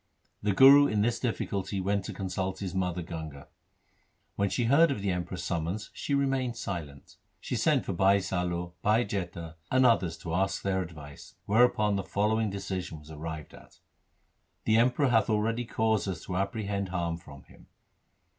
The Guru in this difficulty went to consult his mother Ganga. When she heard of the Emperor's sum mons she remained silent. She sent for Bhai Salo, Bhai Jetha, and others to ask their advice, where upon the following decision was arrived at — 'The Emperor hath already caused us to apprehend harm from him.